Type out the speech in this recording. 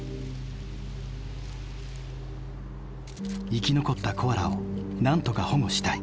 「生き残ったコアラをなんとか保護したい」。